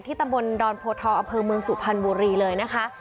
ที่ตะบลดอนโพท้อเผิงเมืองสุพรรณบุรีเลยนะคะ